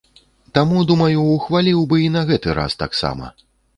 Таму, думаю, ухваліў бы і на гэты раз таксама.